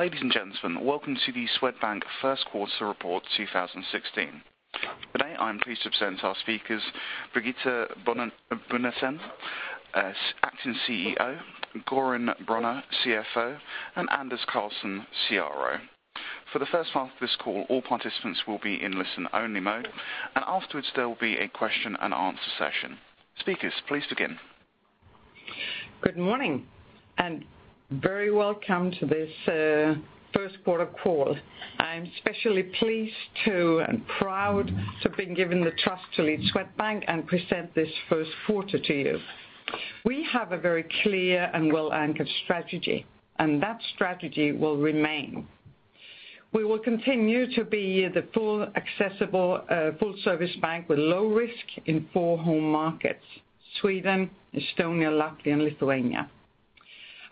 Ladies and gentlemen, welcome to the Swedbank First Quarter Report 2016. Today, I'm pleased to present our speakers, Birgitte Bonnesen, as Acting CEO, Göran Bronner, CFO, and Anders Karlsson, CRO. For the first half of this call, all participants will be in listen-only mode, and afterwards, there will be a question-and-answer session. Speakers, please begin. Good morning, and very welcome to this first quarter call. I'm especially pleased to and proud to have been given the trust to lead Swedbank and present this first quarter to you. We have a very clear and well-anchored strategy, and that strategy will remain. We will continue to be the full accessible, full-service bank with low risk in four home markets, Sweden, Estonia, Latvia, and Lithuania.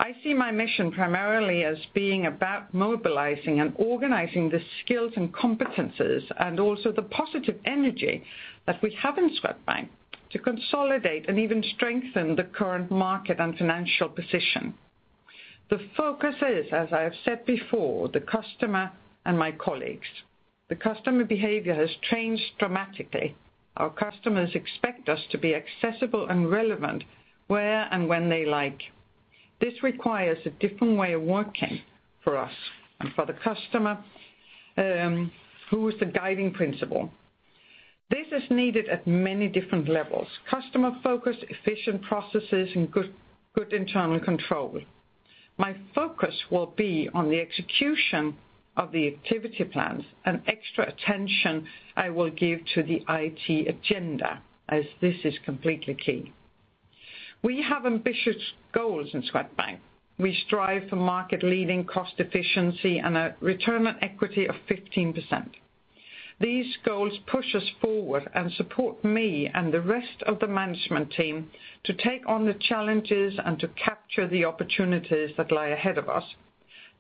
I see my mission primarily as being about mobilizing and organizing the skills and competences, and also the positive energy that we have in Swedbank to consolidate and even strengthen the current market and financial position. The focus is, as I have said before, the customer and my colleagues. The customer behavior has changed dramatically. Our customers expect us to be accessible and relevant where and when they like. This requires a different way of working for us and for the customer, who is the guiding principle. This is needed at many different levels, customer focus, efficient processes, and good, good internal control. My focus will be on the execution of the activity plans, and extra attention I will give to the IT agenda, as this is completely key. We have ambitious goals in Swedbank. We strive for market-leading cost efficiency and a return on equity of 15%. These goals push us forward and support me and the rest of the management team to take on the challenges and to capture the opportunities that lie ahead of us.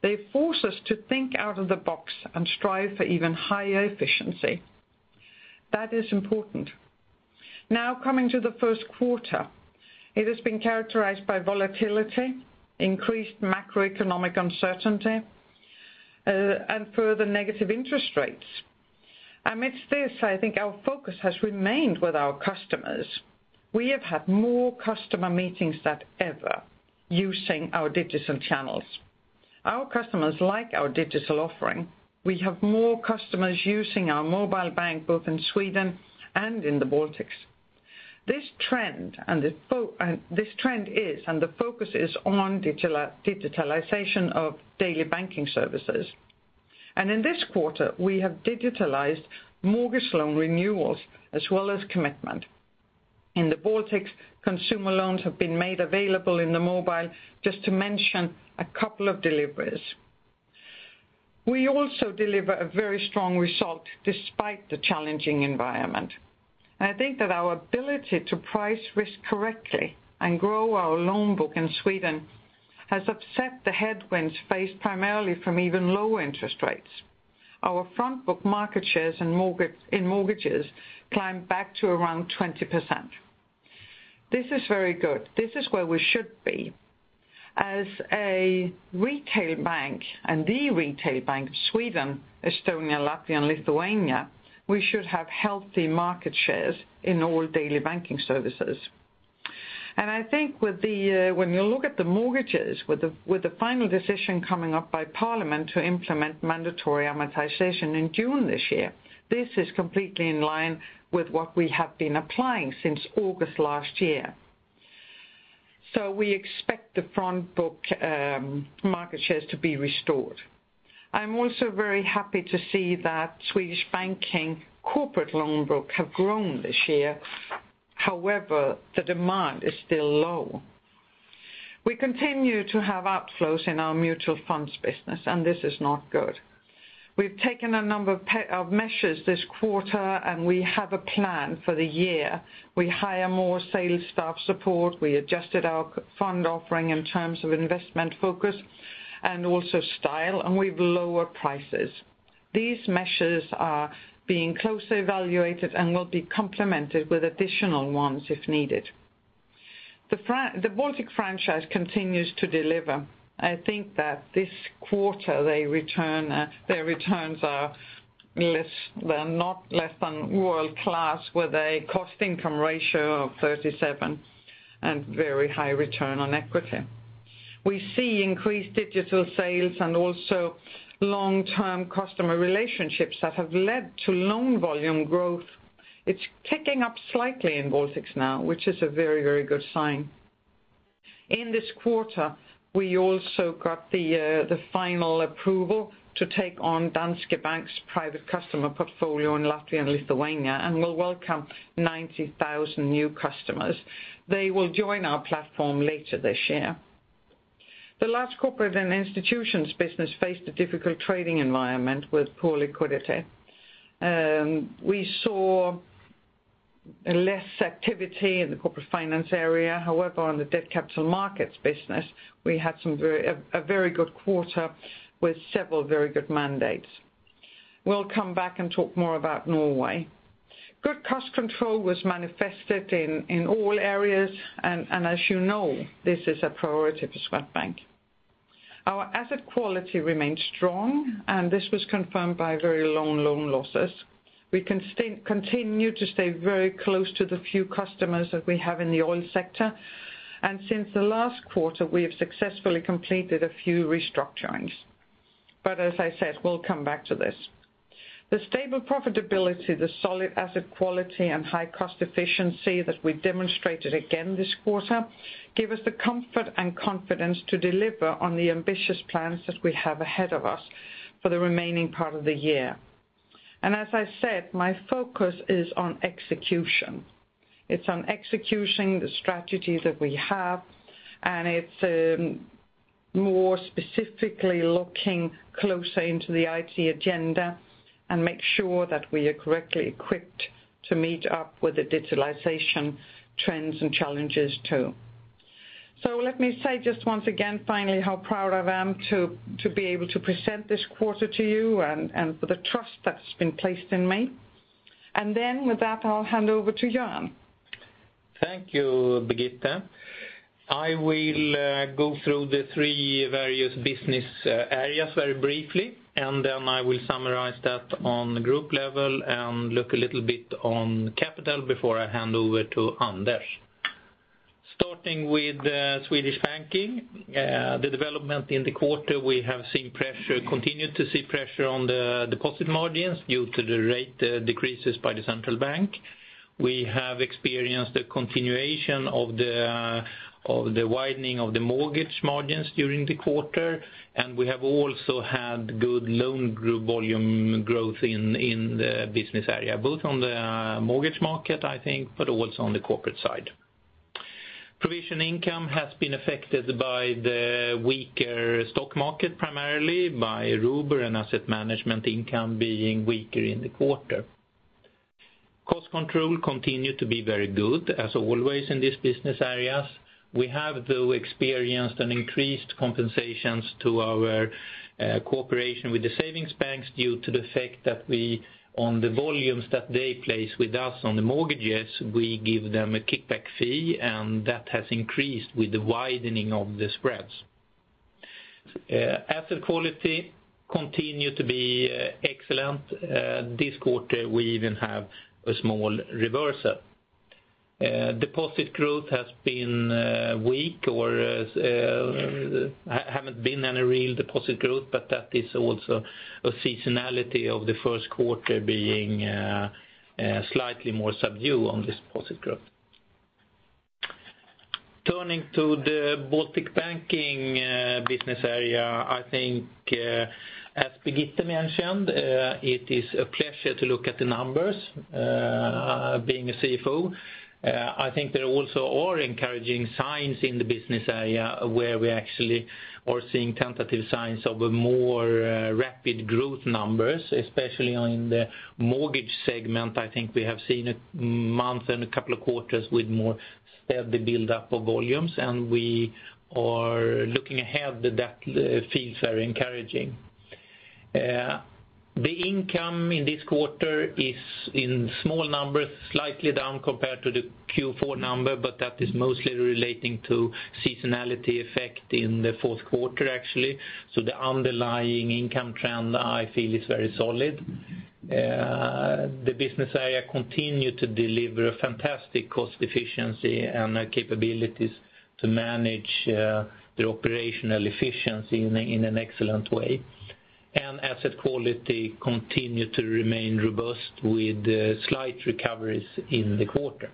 They force us to think out of the box and strive for even higher efficiency. That is important. Now, coming to the first quarter, it has been characterized by volatility, increased macroeconomic uncertainty, and further negative interest rates. Amidst this, I think our focus has remained with our customers. We have had more customer meetings than ever using our digital channels. Our customers like our digital offering. We have more customers using our mobile bank, both in Sweden and in the Baltics. This trend, and the focus is on digitalization of daily banking services. In this quarter, we have digitalized mortgage loan renewals as well as commitment. In the Baltics, consumer loans have been made available in the mobile, just to mention a couple of deliveries. We also deliver a very strong result despite the challenging environment. I think that our ability to price risk correctly and grow our loan book in Sweden has upset the headwinds faced primarily from even lower interest rates. Our front book market shares in mortgages climbed back to around 20%. This is very good. This is where we should be. As a retail bank, and the retail bank, Sweden, Estonia, Latvia, and Lithuania, we should have healthy market shares in all daily banking services. And I think with the, when you look at the mortgages, with the final decision coming up by parliament to implement mandatory amortization in June this year, this is completely in line with what we have been applying since August last year. So we expect the front book, market shares to be restored. I'm also very happy to see that Swedish Banking corporate loan book have grown this year. However, the demand is still low. We continue to have outflows in our mutual funds business, and this is not good. We've taken a number of measures this quarter, and we have a plan for the year. We hire more sales staff support, we adjusted our fund offering in terms of investment focus and also style, and we've lower prices. These measures are being closely evaluated and will be complemented with additional ones if needed. The Baltic franchise continues to deliver. I think that this quarter, their return, their returns are less than, not less than world-class, with a cost income ratio of 37 and very high return on equity. We see increased digital sales and also long-term customer relationships that have led to loan volume growth. It's ticking up slightly in Baltics now, which is a very, very good sign. In this quarter, we also got the final approval to take on Danske Bank's private customer portfolio in Latvia and Lithuania, and we'll welcome 90,000 new customers. They will join our platform later this year. The Large Corporates and Institutions business faced a difficult trading environment with poor liquidity. We saw less activity in the corporate finance area. However, on the debt capital markets business, we had some very good quarter with several very good mandates. We'll come back and talk more about Norway. Good cost control was manifested in all areas, and as you know, this is a priority for Swedbank. Our asset quality remains strong, and this was confirmed by very low loan losses. We continue to stay very close to the few customers that we have in the oil sector. And since the last quarter, we have successfully completed a few restructurings. But as I said, we'll come back to this. The stable profitability, the solid asset quality, and high cost efficiency that we demonstrated again this quarter give us the comfort and confidence to deliver on the ambitious plans that we have ahead of us for the remaining part of the year. As I said, my focus is on execution. It's on executing the strategies that we have, and it's, more specifically looking closer into the IT agenda and make sure that we are correctly equipped to meet up with the digitalization trends and challenges, too. Let me say just once again, finally, how proud I am to, to be able to present this quarter to you and, and for the trust that's been placed in me. With that, I'll hand over to Göran. Thank you, Birgitte. I will go through the three various business areas very briefly, and then I will summarize that on the group level and look a little bit on capital before I hand over to Anders. Starting with Swedish Banking, the development in the quarter, we have seen continued pressure on the deposit margins due to the rate decreases by the central bank. We have experienced a continuation of the widening of the mortgage margins during the quarter, and we have also had good loan group volume growth in the business area, both on the mortgage market, I think, but also on the corporate side. Provision income has been affected by the weaker stock market, primarily by Robur and asset management income being weaker in the quarter. Cost control continued to be very good, as always in these business areas. We have, though, experienced an increased compensations to our cooperation with the savings banks due to the fact that we, on the volumes that they place with us on the mortgages, we give them a kickback fee, and that has increased with the widening of the spreads. Asset quality continue to be excellent. This quarter, we even have a small reversal. Deposit growth has been weak or haven't been any real deposit growth, but that is also a seasonality of the first quarter being slightly more subdued on this deposit growth. Turning to the Baltic Banking business area, I think, as Birgitte mentioned, it is a pleasure to look at the numbers, being a CFO. I think there also are encouraging signs in the business area where we actually are seeing tentative signs of a more, rapid growth numbers, especially on the mortgage segment. I think we have seen a month and a couple of quarters with more steady buildup of volumes, and we are looking ahead, that feels very encouraging. The income in this quarter is in small numbers, slightly down compared to the Q4 number, but that is mostly relating to seasonality effect in the fourth quarter, actually. So the underlying income trend, I feel, is very solid. The business area continue to deliver a fantastic cost efficiency and capabilities to manage, the operational efficiency in an excellent way. Asset quality continue to remain robust with, slight recoveries in the quarter.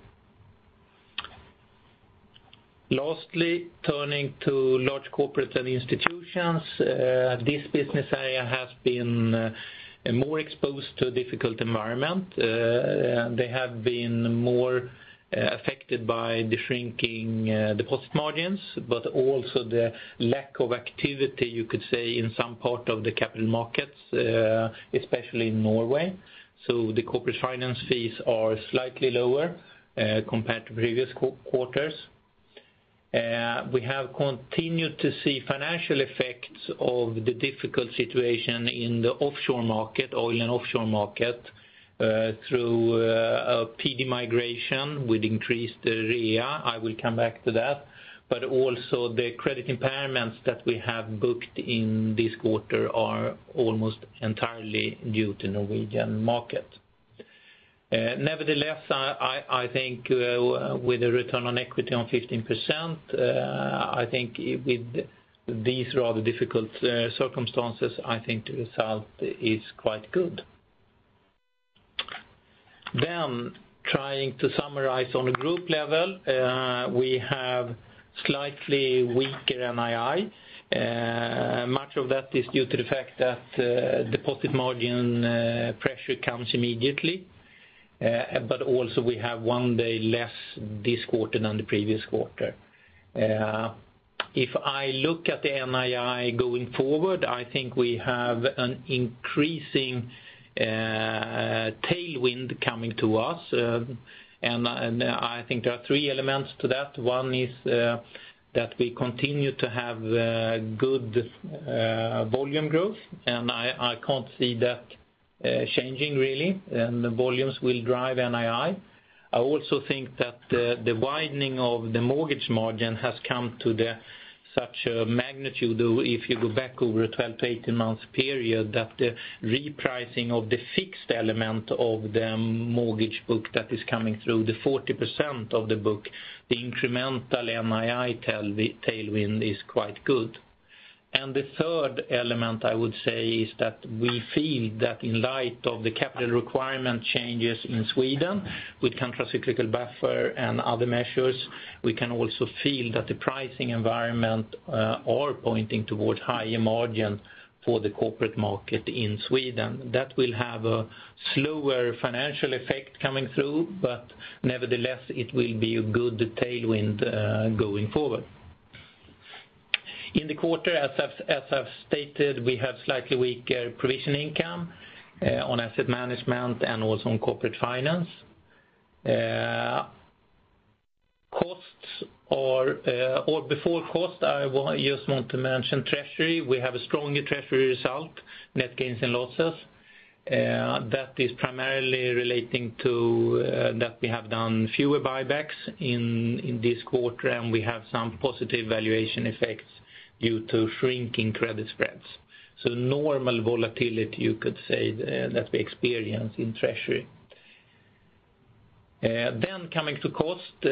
Lastly, turning to large corporate and institutions, this business area has been more exposed to a difficult environment. They have been more affected by the shrinking deposit margins, but also the lack of activity, you could say, in some part of the capital markets, especially in Norway. So the corporate finance fees are slightly lower compared to previous quarters. We have continued to see financial effects of the difficult situation in the offshore market, oil and offshore market, through a PD migration with increased RWA. I will come back to that. But also the credit impairments that we have booked in this quarter are almost entirely due to [the] Norwegian market. Nevertheless, I think with a return on equity of 15%, I think with these rather difficult circumstances, I think the result is quite good. Then, trying to summarize on a group level, we have slightly weaker NII. Much of that is due to the fact that deposit margin pressure comes immediately, but also we have one day less this quarter than the previous quarter. If I look at the NII going forward, I think we have an increasing tailwind coming to us, and I think there are three elements to that. One is that we continue to have good volume growth, and I can't see that changing really, and the volumes will drive NII. I also think that the widening of the mortgage margin has come to the such a magnitude, though, if you go back over a 12-18 months period, that the repricing of the fixed element of the mortgage book that is coming through, the 40% of the book, the incremental NII tailwind is quite good. And the third element, I would say, is that we feel that in light of the capital requirement changes in Sweden, with Countercyclical buffer and other measures, we can also feel that the pricing environment are pointing towards higher margin for the corporate market in Sweden. That will have a slower financial effect coming through, but nevertheless, it will be a good tailwind going forward. In the quarter, as I've stated, we have slightly weaker provision income on asset management and also on corporate finance. Costs are, or before cost, I just want to mention treasury. We have a stronger treasury result, net gains and losses, that is primarily relating to that we have done fewer buybacks in this quarter, and we have some positive valuation effects due to shrinking credit spreads. So normal volatility, you could say, that we experience in treasury. Then coming to cost,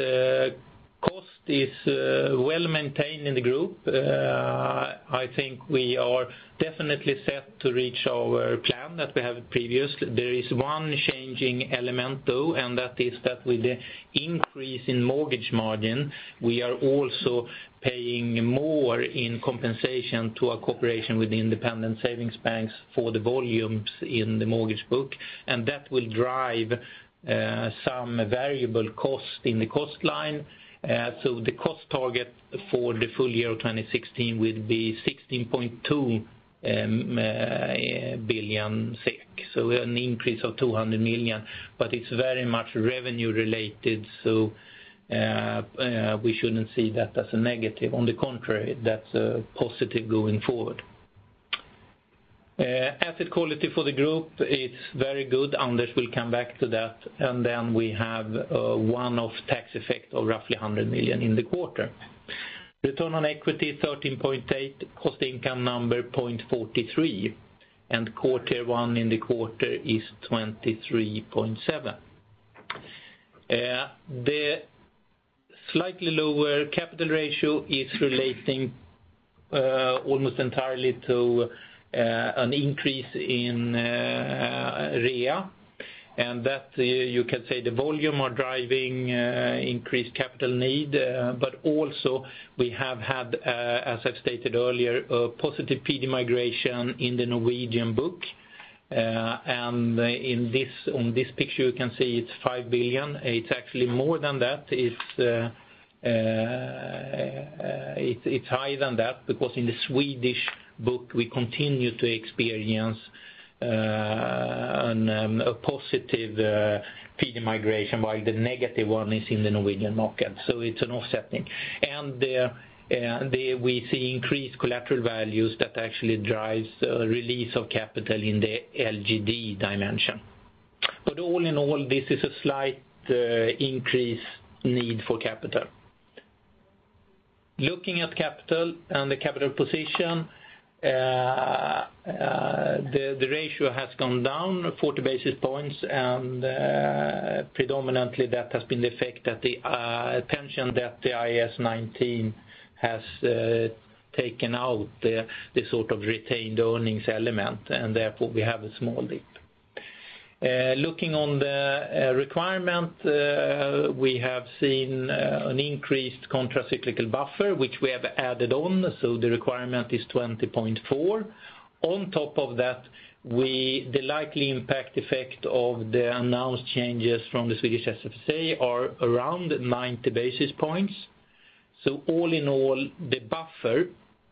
cost is well-maintained in the group. I think we are definitely set to reach our plan that we have previously. There is one changing element, though, and that is that with the increase in mortgage margin, we are also paying more in compensation to our cooperation with the independent savings banks for the volumes in the mortgage book, and that will drive some variable cost in the cost line. The cost target for the full year of 2016 will be 16.2 billion SEK, an increase of 200 million, but it's very much revenue related, so we shouldn't see that as a negative. On the contrary, that's a positive going forward. Asset quality for the group is very good. Anders will come back to that, and then we have a one-off tax effect of roughly 100 million in the quarter. Return on equity, 13.8%, cost income number, 0.43, and quarter one in the quarter is 23.7%. The slightly lower capital ratio is relating almost entirely to an increase in REA, and that you can say the volume are driving increased capital need, but also we have had as I've stated earlier a positive PD migration in the Norwegian book. And on this picture, you can see it's 5 billion. It's actually more than that. It's higher than that, because in the Swedish book, we continue to experience a positive PD migration, while the negative one is in the Norwegian market, so it's an offsetting. We see increased collateral values that actually drives release of capital in the LGD dimension. But all in all, this is a slight increase need for capital. Looking at capital and the capital position, the ratio has gone down 40 basis points, and predominantly, that has been the effect that the pension that the IAS 19 has taken out the sort of retained earnings element, and therefore, we have a small dip. Looking on the requirement, we have seen an increased countercyclical buffer, which we have added on, so the requirement is 20.4. On top of that, the likely impact effect of the announced changes from the Swedish FSA are around 90 basis points. So all in all, the buffer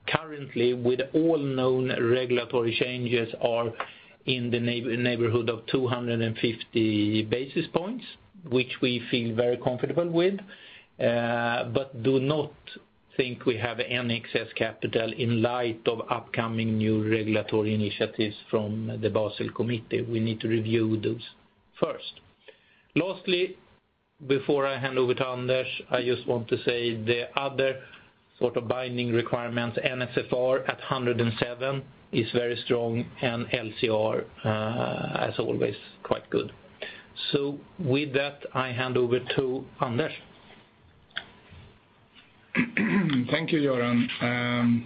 currently with all known regulatory changes are in the neighborhood of 250 basis points, which we feel very comfortable with, but do not think we have any excess capital in light of upcoming new regulatory initiatives from the Basel Committee. We need to review those first. Lastly, before I hand over to Anders, I just want to say the other sort of binding requirements, NSFR at 107, is very strong and LCR, as always, quite good. So with that, I hand over to Anders. Thank you, Göran.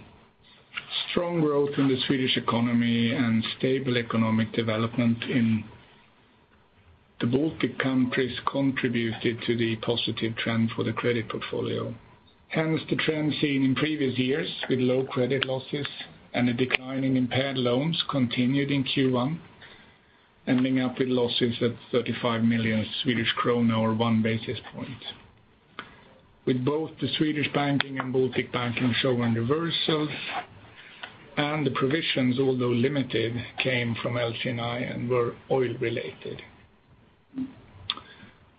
Strong growth in the Swedish economy and stable economic development in the Baltic countries contributed to the positive trend for the credit portfolio. Hence, the trend seen in previous years with low credit losses and a decline in impaired loans continued in Q1, ending up with losses at 35 million Swedish krona or one basis point.... With both the Swedish Banking and Baltic Banking showing reversals, and the provisions, although limited, came from LC&I and were oil related.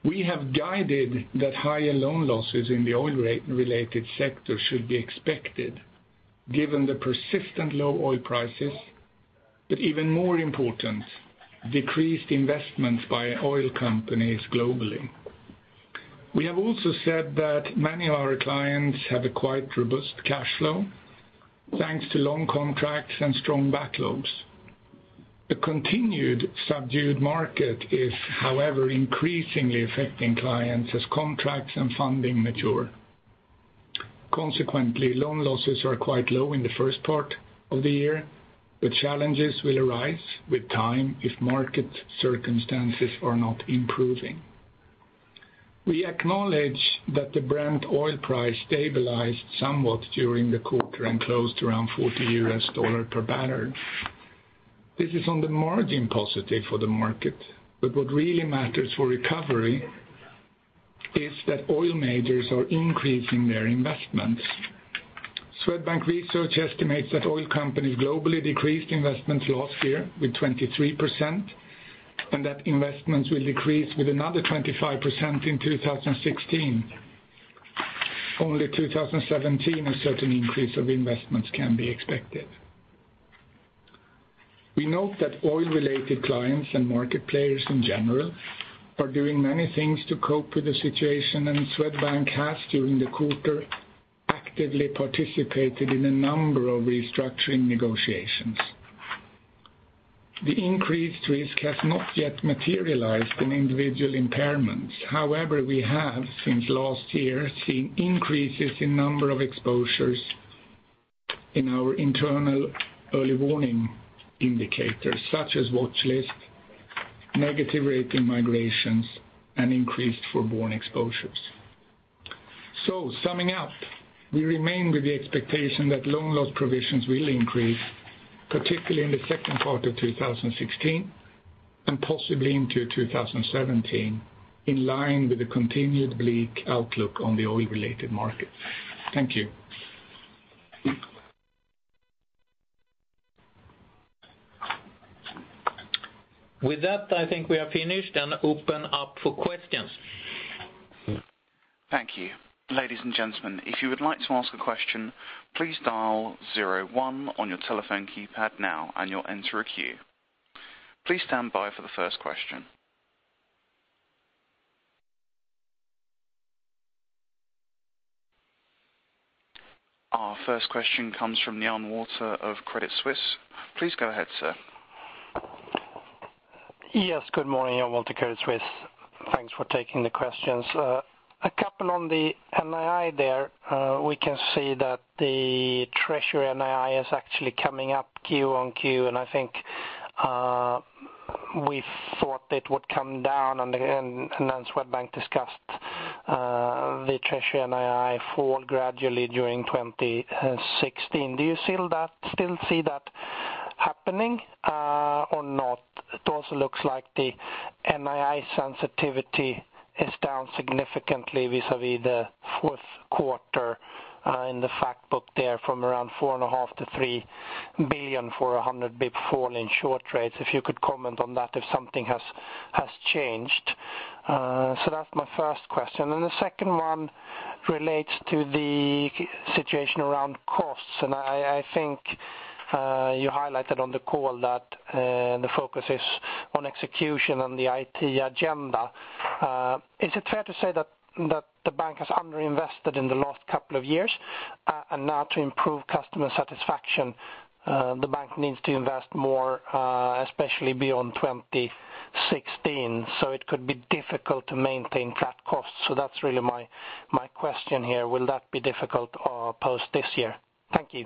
We have guided that higher loan losses in the oil-related sector should be expected, given the persistent low oil prices, but even more important, decreased investments by oil companies globally. We have also said that many of our clients have a quite robust cash flow, thanks to long contracts and strong backlogs. The continued subdued market is however, increasingly affecting clients as contracts and funding mature. Consequently, loan losses are quite low in the first part of the year, but challenges will arise with time if market circumstances are not improving. We acknowledge that the Brent oil price stabilized somewhat during the quarter and closed around $40 per barrel. This is on the margin positive for the market, but what really matters for recovery is that oil majors are increasing their investments. Swedbank Research estimates that oil companies globally decreased investments last year with 23%, and that investments will decrease with another 25% in 2016. Only 2017, a certain increase of investments can be expected. We note that oil-related clients and market players in general are doing many things to cope with the situation, and Swedbank has, during the quarter, actively participated in a number of restructuring negotiations. The increased risk has not yet materialized in individual impairments. However, we have, since last year, seen increases in number of exposures in our internal early warning indicators, such as watchlist, negative rating migrations, and increased forborne exposures. So summing up, we remain with the expectation that loan loss provisions will increase, particularly in the second part of 2016, and possibly into 2017, in line with the continued bleak outlook on the oil-related market. Thank you. With that, I think we are finished and open up for questions. Thank you. Ladies and gentlemen, if you would like to ask a question, please dial zero one on your telephone keypad now, and you'll enter a queue. Please stand by for the first question. Our first question comes from Jan Wolter of Credit Suisse. Please go ahead, sir. Yes, good morning, Jan Wolter, Credit Suisse. Thanks for taking the questions. A couple on the NII there, we can see that the treasury NII is actually coming up Q-on-Q, and I think, we thought it would come down, and, and Swedbank discussed, the treasury NII fall gradually during 2016. Do you still see that happening, or not? It also looks like the NII sensitivity is down significantly vis-a-vis the fourth quarter, in the fact book there from around 4.5 to 3 billion for a 100 basis points fall in short rates. If you could comment on that, if something has changed. So that's my first question. Then the second one relates to the situation around costs, and I think you highlighted on the call that the focus is on execution on the IT agenda. Is it fair to say that the bank has underinvested in the last couple of years, and now to improve customer satisfaction, the bank needs to invest more, especially beyond 2016, so it could be difficult to maintain flat costs? So that's really my question here. Will that be difficult post this year? Thank you.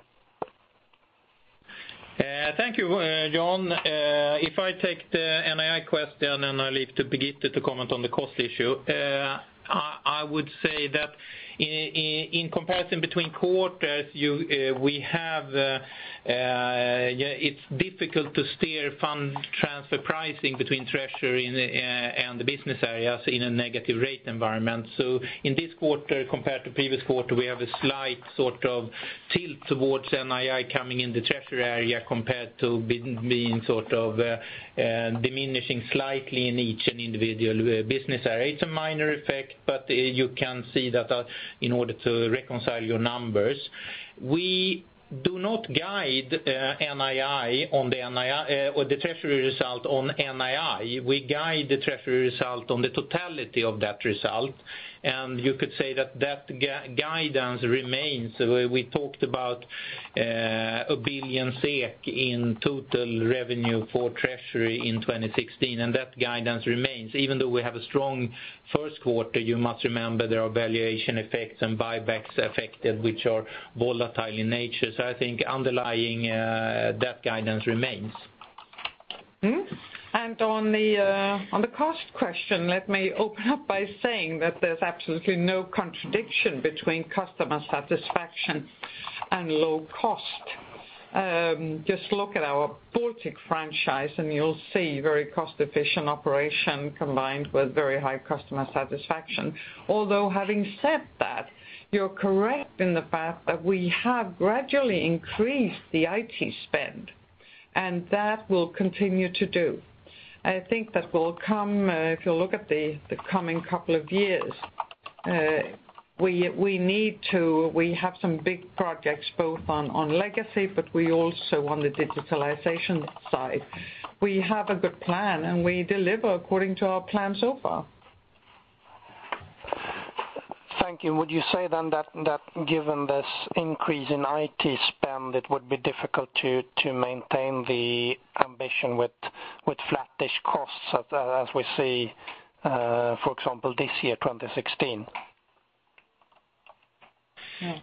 Thank you, Jan. If I take the NII question, and I leave to Birgitte to comment on the cost issue. I would say that in comparison between quarters, we have, yeah, it's difficult to steer fund transfer pricing between treasury and the business areas in a negative rate environment. So in this quarter, compared to previous quarter, we have a slight sort of tilt towards NII coming in the treasury area compared to being sort of diminishing slightly in each and individual business area. It's a minor effect, but you can see that in order to reconcile your numbers. We do not guide NII on the NII, or the treasury result on NII. We guide the treasury result on the totality of that result, and you could say that that guidance remains. We talked about 1 billion SEK in total revenue for treasury in 2016, and that guidance remains. Even though we have a strong first quarter, you must remember there are valuation effects and buybacks affected, which are volatile in nature. So I think underlying that guidance remains. Mm-hmm. And on the cost question, let me open up by saying that there's absolutely no contradiction between customer satisfaction and low cost.... Just look at our Baltic franchise and you'll see very cost efficient operation combined with very high customer satisfaction. Although having said that, you're correct in the fact that we have gradually increased the IT spend, and that we'll continue to do. I think that will come if you look at the coming couple of years. We need to—we have some big projects, both on legacy, but we also on the digitalization side. We have a good plan, and we deliver according to our plan so far. Thank you. Would you say then that given this increase in IT spend, it would be difficult to maintain the ambition with flattish costs as we see, for example, this year, 2016?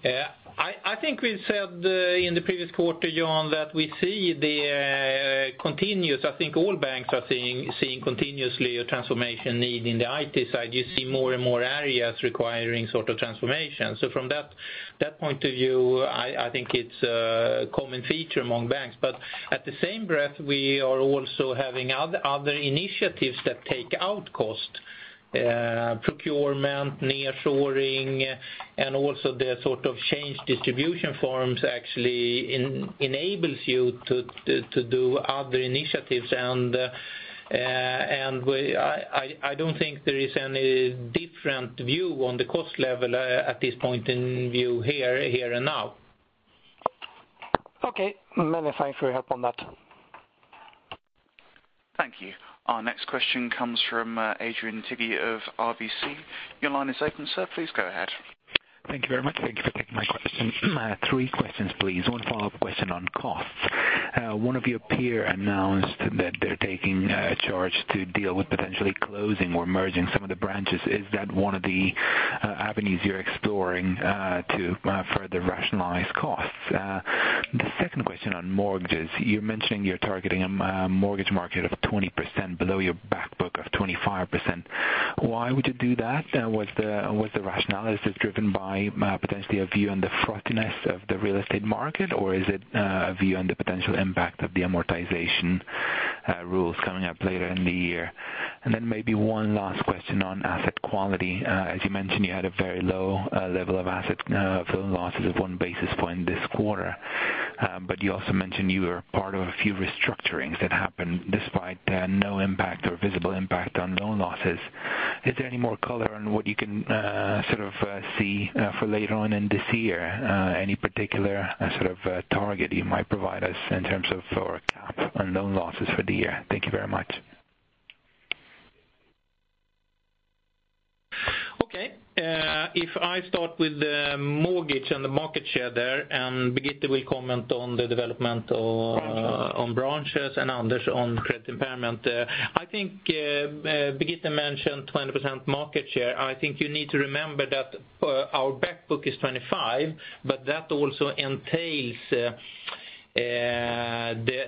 Yeah. I think we said, in the previous quarter, Jan, that we see the continuous, I think all banks are seeing continuously a transformation need in the IT side. You see more and more areas requiring sort of transformation. So from that point of view, I think it's a common feature among banks. But in the same breath, we are also having other initiatives that take out cost, procurement, nearshoring, and also the sort of change distribution forms actually enables you to do other initiatives. And we—I don't think there is any different view on the cost level, at this point of view here and now. Okay. Many thanks for your help on that. Thank you. Our next question comes from Adrian Cighi of RBC. Your line is open, sir. Please go ahead. Thank you very much. Thank you for taking my question. Three questions, please. One follow-up question on costs. One of your peer announced that they're taking a charge to deal with potentially closing or merging some of the branches. Is that one of the avenues you're exploring to further rationalize costs? The second question on mortgages, you're mentioning you're targeting a mortgage market of 20% below your backbook of 25%. Why would you do that? And what's the rationale? Is this driven by potentially a view on the frothiness of the real estate market, or is it a view on the potential impact of the amortization rules coming up later in the year? And then maybe one last question on asset quality. As you mentioned, you had a very low level of asset for losses of one basis point this quarter. But you also mentioned you were part of a few restructurings that happened despite no impact or visible impact on loan losses. Is there any more color on what you can sort of see for later on in this year? Any particular sort of target you might provide us in terms of or cap on loan losses for the year? Thank you very much. Okay. If I start with the mortgage and the market share there, and Birgitte will comment on the development on, on branches and others on credit impairment. I think, Birgitte mentioned 20% market share. I think you need to remember that, our back book is 25, but that also entails,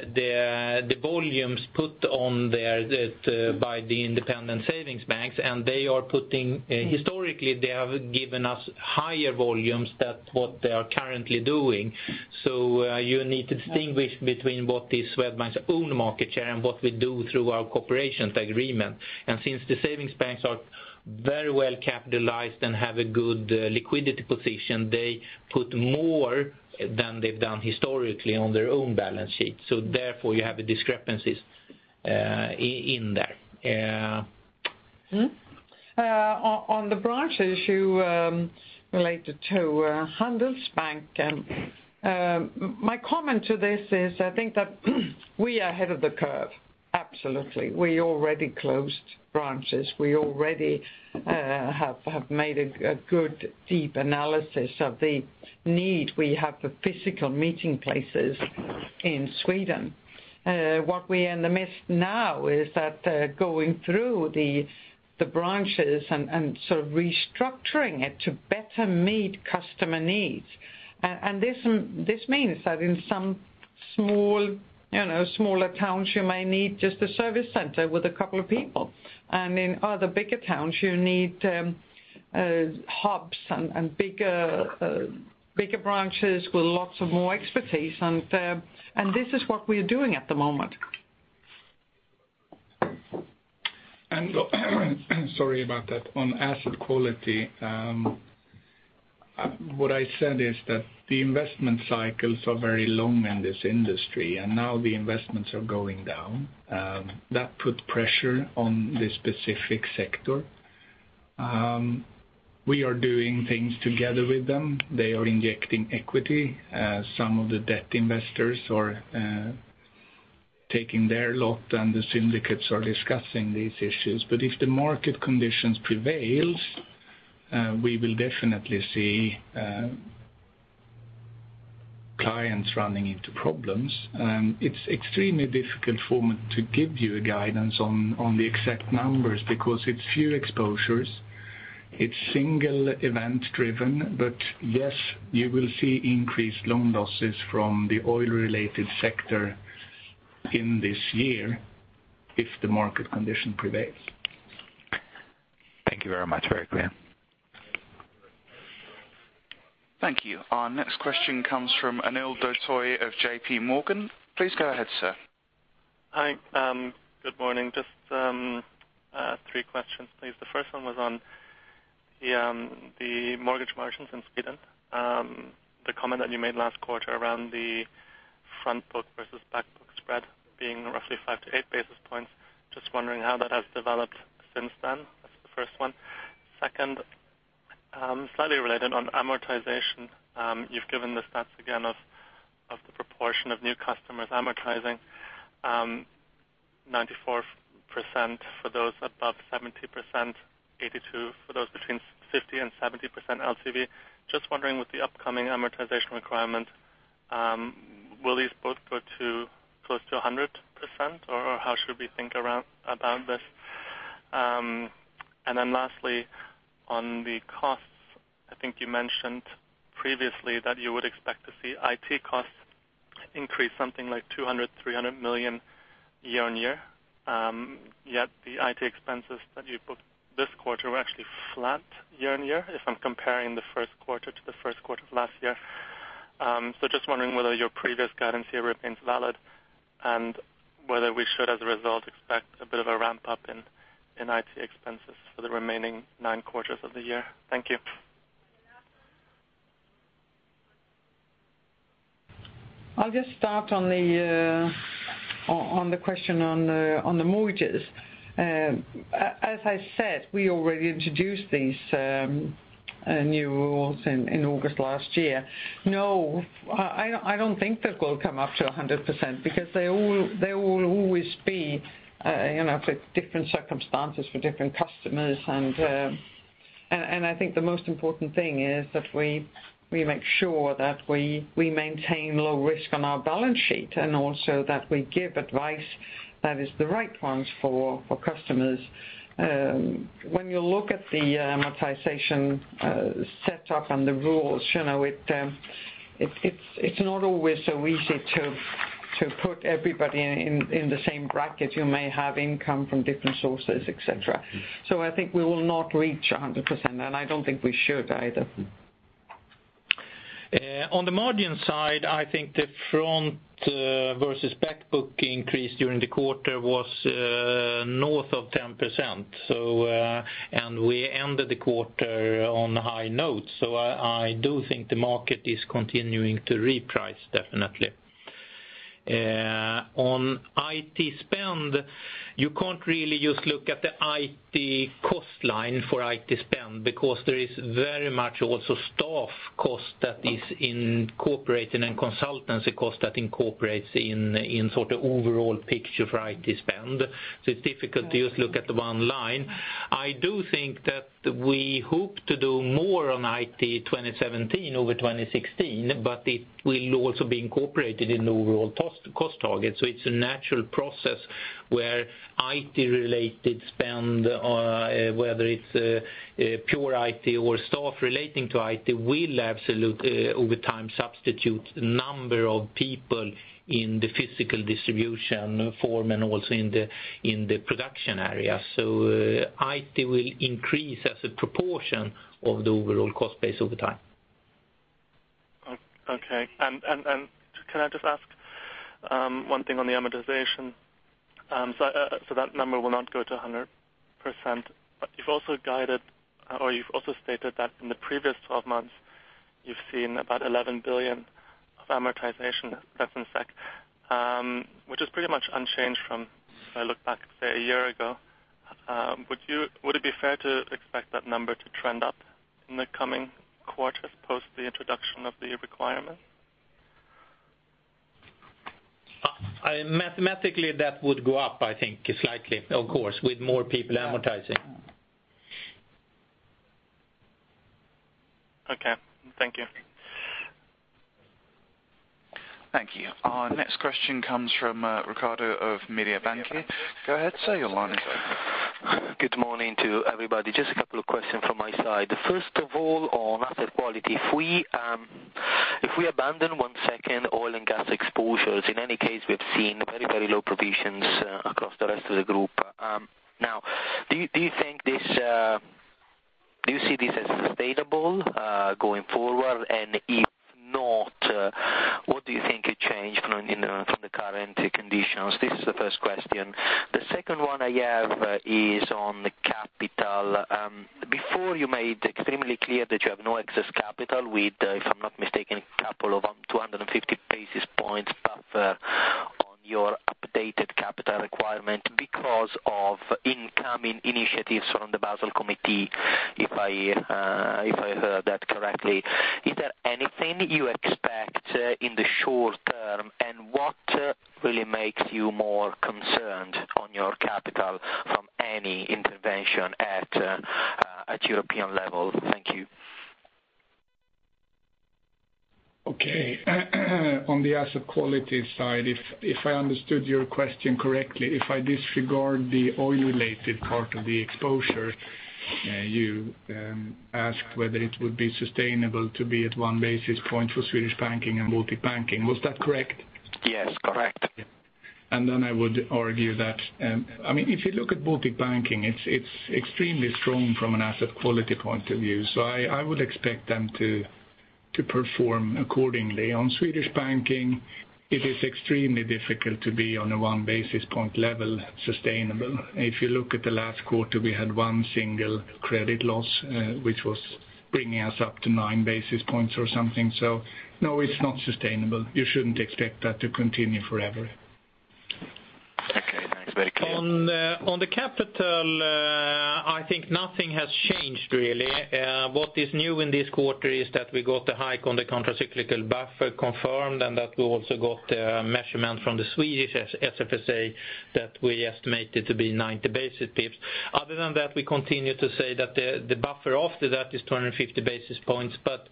the volumes put on there that, by the independent savings banks, and they are putting... Historically, they have given us higher volumes than what they are currently doing. So, you need to distinguish between what is Swedbank's own market share and what we do through our cooperation agreement. And since the savings banks are very well capitalized and have a good, liquidity position, they put more than they've done historically on their own balance sheet. So therefore, you have the discrepancies, in, in there. Mm-hmm? On the branches you related to Handelsbanken. My comment to this is I think that we are ahead of the curve, absolutely. We already closed branches. We already have made a good deep analysis of the need we have for physical meeting places in Sweden. What we are in the midst now is that going through the branches and sort of restructuring it to better meet customer needs. And this means that in some small, you know, smaller towns, you may need just a service center with a couple of people. And in other bigger towns, you need hubs and bigger branches with lots of more expertise. And this is what we're doing at the moment. Sorry about that. On asset quality, what I said is that the investment cycles are very long in this industry, and now the investments are going down. That put pressure on this specific sector. We are doing things together with them. They are injecting equity, some of the debt investors are taking their lot, and the syndicates are discussing these issues. But if the market conditions prevails, we will definitely see clients running into problems. It's extremely difficult for me to give you a guidance on the exact numbers because it's few exposures, it's single event-driven. But yes, you will see increased loan losses from the oil-related sector in this year if the market condition prevails.... Thank you very much, very clear. Thank you. Our next question comes from Anil Dotoy of JP Morgan. Please go ahead, sir. Hi, good morning. Just three questions, please. The first one was on the mortgage margins in Sweden. The comment that you made last quarter around the front book versus back book spread being roughly five-eight basis points. Just wondering how that has developed since then? That's the first one. Second, slightly related on amortization. You've given the stats again of the proportion of new customers amortizing, 94% for those above 70%, 82 for those between 50%-70% LTV. Just wondering, with the upcoming amortization requirements, will these both go to close to 100%, or how should we think about this? And then lastly, on the costs, I think you mentioned previously that you would expect to see IT costs increase something like 200-300 million year-on-year. Yet the IT expenses that you booked this quarter were actually flat year-on-year, if I'm comparing the first quarter to the first quarter of last year. Just wondering whether your previous guidance here remains valid, and whether we should, as a result, expect a bit of a ramp-up in IT expenses for the remaining nine quarters of the year. Thank you. I'll just start on the question on the mortgages. As I said, we already introduced these new rules in August last year. No, I don't think they will come up to 100%, because they will always be, you know, for different circumstances for different customers. And I think the most important thing is that we make sure that we maintain low risk on our balance sheet, and also that we give advice that is the right ones for customers. When you look at the amortization setup and the rules, you know, it's not always so easy to put everybody in the same bracket. You may have income from different sources, et cetera. I think we will not reach 100%, and I don't think we should either. On the margin side, I think the front versus back book increase during the quarter was north of 10%. So, and we ended the quarter on a high note, so I do think the market is continuing to reprice, definitely. On IT spend, you can't really just look at the IT cost line for IT spend, because there is very much also staff cost that is incorporated and consultancy cost that incorporates in sort of overall picture for IT spend. So it's difficult to just look at the one line. I do think that we hope to do more on IT 2017 over 2016, but it will also be incorporated in the overall cost, cost target. So it's a natural process where IT-related spend, whether it's pure IT or staff relating to IT, will absolutely, over time, substitute the number of people in the physical distribution form and also in the production area. So, IT will increase as a proportion of the overall cost base over time. Okay. And can I just ask one thing on the amortization? So that number will not go to 100%, but you've also guided, or you've also stated that in the previous twelve months, you've seen about 11 billion of amortization pre and sec, which is pretty much unchanged from if I look back, say, a year ago. Would it be fair to expect that number to trend up in the coming quarters post the introduction of the requirement? Mathematically, that would go up, I think, slightly, of course, with more people amortizing. Okay. Thank you. Thank you. Our next question comes from Riccardo of Mediobanca. Go ahead, sir, you're on. Good morning to everybody. Just a couple of questions from my side. First of all, on asset quality, if we, if we abandon one second oil and gas exposures, in any case, we've seen very, very low provisions, across the rest of the group. Now, do you, do you think this, do you see this as sustainable, going forward? And if not, what do you think it changed from in, from the current conditions? This is the first question. The second one I have is on the capital. Before you made extremely clear that you have no excess capital with, if I'm not mistaken, a couple of 250 basis points buffer on your updated capital requirement because of incoming initiatives from the Basel Committee, if I, if I heard that correctly. Is there anything you expect, in the short term, and what really makes you more concerned on your capital from any intervention at, at European level? Thank you. Okay. On the asset quality side, if I understood your question correctly, if I disregard the oil-related part of the exposure, you asked whether it would be sustainable to be at one basis point for Swedish Banking and multi-banking. Was that correct? Yes, correct. ...And then I would argue that, I mean, if you look at Baltic Banking, it's, it's extremely strong from an asset quality point of view. So I would expect them to perform accordingly. On Swedish Banking, it is extremely difficult to be on a one basis point level sustainable. If you look at the last quarter, we had one single credit loss, which was bringing us up to nine basis points or something. So, no, it's not sustainable. You shouldn't expect that to continue forever. Okay, thanks. Very clear. On the capital, I think nothing has changed, really. What is new in this quarter is that we got the hike on the countercyclical buffer confirmed, and that we also got a measurement from the Swedish SFSA that we estimated to be 90 basis points. Other than that, we continue to say that the buffer after that is 250 basis points, but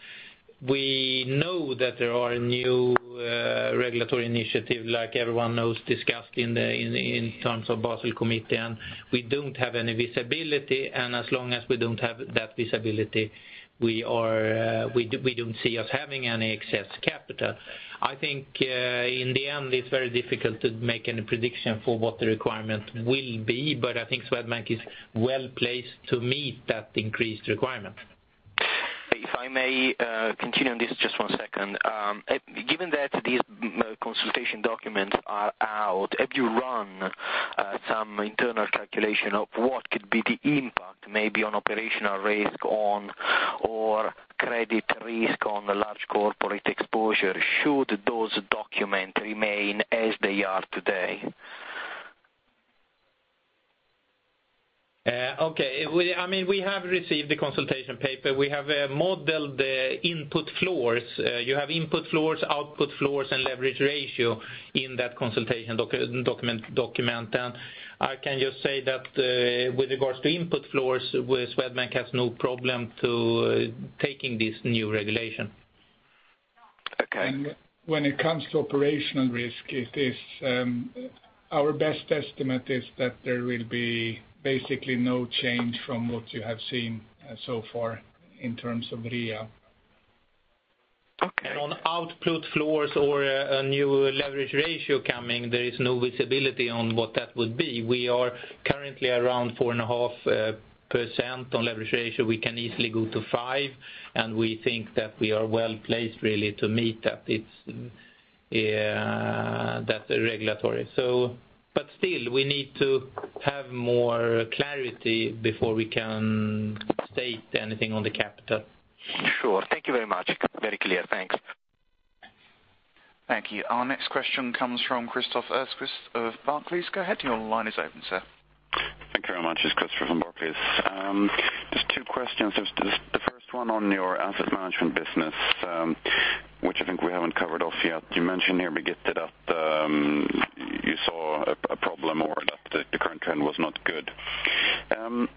we know that there are new regulatory initiative, like everyone knows, discussed in terms of Basel Committee, and we don't have any visibility, and as long as we don't have that visibility, we don't see us having any excess capital. I think, in the end, it's very difficult to make any prediction for what the requirement will be, but I think Swedbank is well placed to meet that increased requirement. If I may, continue on this just one second. Given that these consultation documents are out, have you run some internal calculation of what could be the impact, maybe on operational risk on or credit risk on the large corporate exposure, should those document remain as they are today? Okay. I mean, we have received the consultation paper. We have modeled the input floors. You have input floors, output floors, and leverage ratio in that consultation document. And I can just say that, with regards to input floors, Swedbank has no problem to taking this new regulation. Okay. When it comes to operational risk, it is our best estimate that there will be basically no change from what you have seen so far in terms of RWA. Okay. On output floors or a new leverage ratio coming, there is no visibility on what that would be. We are currently around 4.5% on leverage ratio. We can easily go to 5%, and we think that we are well placed, really, to meet that. It's that regulatory. But still, we need to have more clarity before we can state anything on the capital. Sure. Thank you very much. Very clear. Thanks. Thank you. Our next question comes from Christoffer Rosquist of Barclays. Go ahead, your line is open, sir. Thank you very much. It's Christoffer from Barclays. Just two questions. Just the first one on your asset management business, which I think we haven't covered off yet. You mentioned here, Birgitte, that you saw a problem or that the current trend was not good.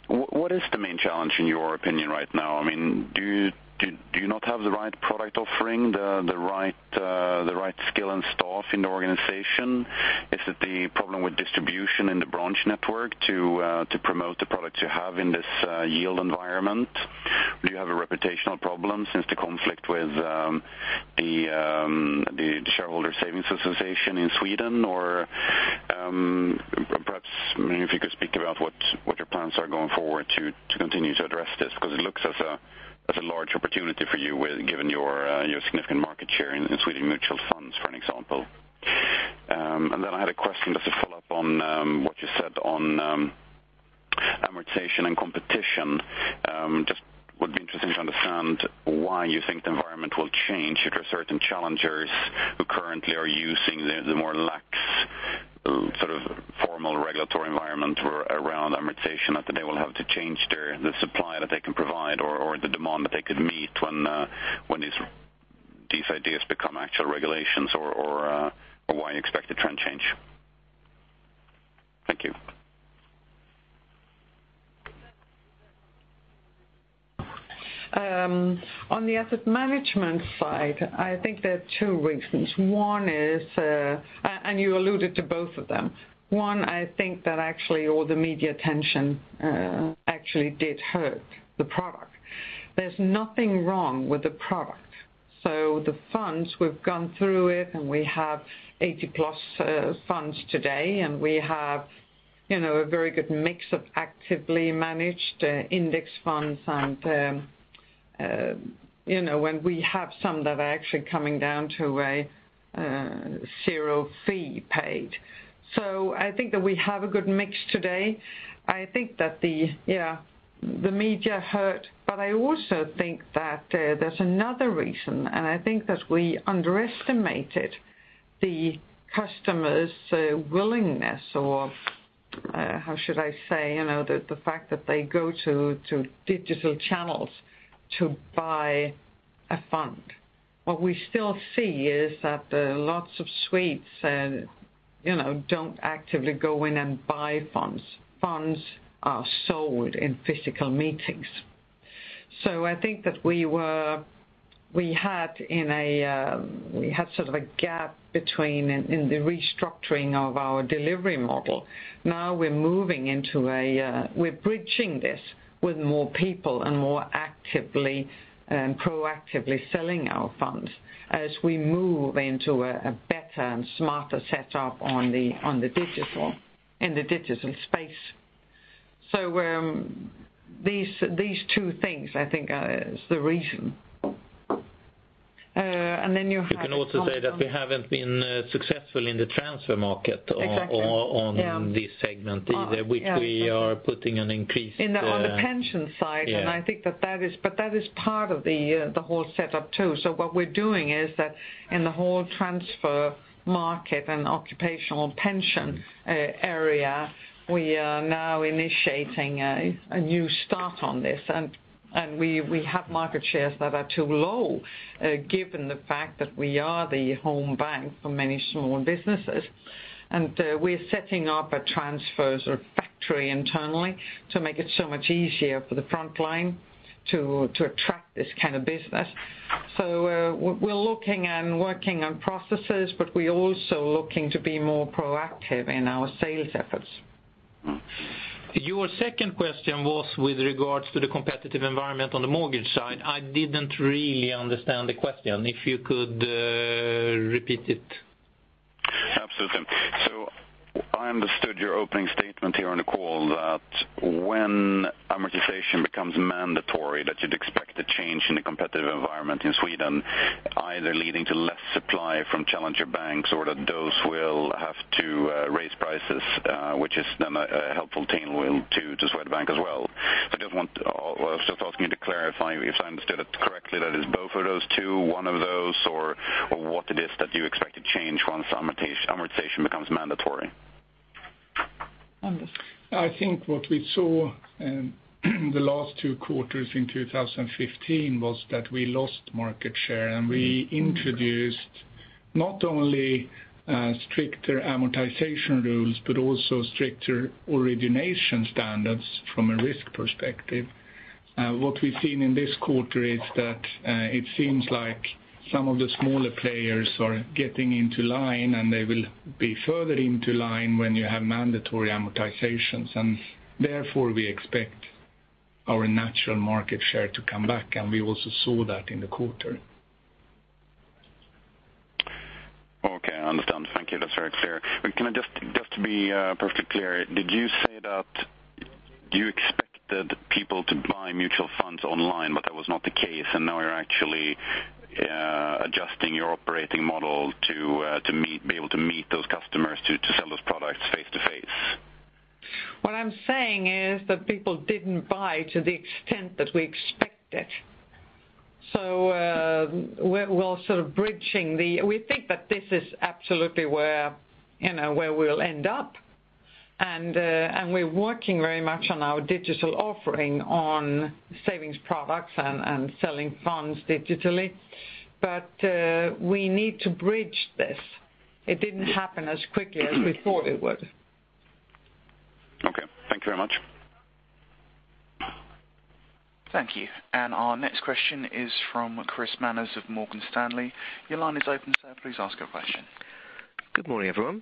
What is the main challenge, in your opinion, right now? I mean, do you not have the right product offering, the right skill and staff in the organization? Is it the problem with distribution in the branch network to promote the products you have in this yield environment? Do you have a reputational problem since the conflict with the Shareholder Savings Association in Sweden? Or, perhaps, maybe if you could speak about what, what your plans are going forward to, to continue to address this, because it looks as a, as a large opportunity for you with given your, your significant market share in Swedish mutual funds, for an example. And then I had a question just to follow up on what you said on amortization and competition. Just would be interesting to understand why you think the environment will change. If there are certain challengers who currently are using the, the more lax, sort of, formal regulatory environment around amortization, that they will have to change their, the supply that they can provide or, or the demand that they could meet when, when these, these ideas become actual regulations, or, or, or why you expect the trend change? Thank you. On the asset management side, I think there are two reasons. One is, and you alluded to both of them. One, I think that actually all the media attention actually did hurt the product. There's nothing wrong with the product. So the funds, we've gone through it, and we have 80+ funds today, and we have, you know, a very good mix of actively managed index funds. And, you know, when we have some that are actually coming down to a zero fee paid. So I think that we have a good mix today. I think that the, yeah, the media hurt, but I also think that there's another reason, and I think that we underestimated the customer's willingness, or, how should I say, you know, the fact that they go to digital channels to buy a fund. What we still see is that lots of Swedes, you know, don't actively go in and buy funds. Funds are sold in physical meetings. So I think that we had sort of a gap in the restructuring of our delivery model. Now we're moving into a, we're bridging this with more people and more actively and proactively selling our funds as we move into a better and smarter setup on the digital in the digital space. So, these two things, I think, is the reason. And then you have- You can also say that we haven't been successful in the transfer market- Exactly. On, on, Yeah this segment, either which we are putting an increased On the pension side. Yeah. I think that that is—but that is part of the, the whole setup, too. So what we're doing is that in the whole transfer market and occupational pension area, we are now initiating a new start on this. And we have market shares that are too low, given the fact that we are the home bank for many small businesses. And we're setting up a transfer factory internally to make it so much easier for the front line to attract this kind of business. So we're looking and working on processes, but we're also looking to be more proactive in our sales efforts. Your second question was with regards to the competitive environment on the mortgage side. I didn't really understand the question. If you could, repeat it. Absolutely. So I understood your opening statement here on the call, that when amortization becomes mandatory, that you'd expect a change in the competitive environment in Sweden, either leading to less supply from challenger banks or that those will have to raise prices, which is then a helpful tailwind to Swedbank as well. So just asking you to clarify if I understood it correctly, that is both of those two, one of those, or what it is that you expect to change once amortization, amortization becomes mandatory? Anders? I think what we saw in the last two quarters in 2015 was that we lost market share, and we introduced not only stricter amortization rules, but also stricter origination standards from a risk perspective. What we've seen in this quarter is that it seems like some of the smaller players are getting into line, and they will be further into line when you have mandatory amortizations. And therefore, we expect our natural market share to come back, and we also saw that in the quarter. Okay, I understand. Thank you. That's very clear. But can I just to be perfectly clear, did you say that you expected people to buy mutual funds online, but that was not the case, and now you're actually adjusting your operating model to meet, be able to meet those customers to sell those products face-to-face? What I'm saying is that people didn't buy to the extent that we expected. So, we're sort of bridging the-- we think that this is absolutely where, you know, where we'll end up. And we're working very much on our digital offering on savings products and selling funds digitally. But, we need to bridge this. It didn't happen as quickly as we thought it would. Okay, thank you very much. Thank you. And our next question is from Chris Manners of Morgan Stanley. Your line is open, sir. Please ask your question. Good morning, everyone.